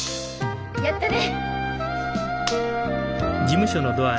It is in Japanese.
やったね！